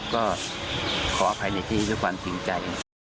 ก็ขออภัยในที่ด้วยความจริงใจ